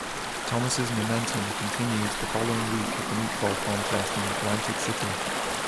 Thomas' momentum continued the following week at a meatball contest in Atlantic City.